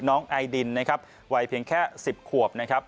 น้องไอดินนะครับวัยเพียงแค่๑๐ขวบนะครับ